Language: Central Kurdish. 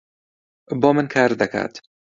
بۆ من کار دەکات.